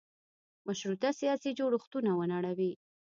مشروطه سیاسي جوړښتونه ونړوي.